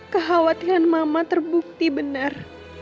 kekhawatiran mama terbukti benar